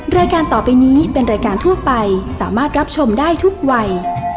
รายการต่อไปนี้เป็นรายการทั่วไปสามารถรับชมได้ทุกวัย